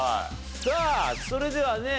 さあそれではね